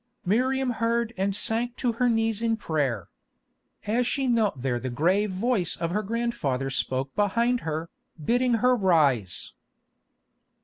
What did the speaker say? Miriam heard and sank to her knees in prayer. As she knelt there the grave voice of her grandfather spoke behind her, bidding her rise.